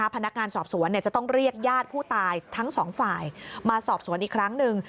พนักงานสอบสวนจะต้องเรียกญาติผู้ตายทั้งสองฝ่ายมาสอบสวนอีกครั้งหนึ่ง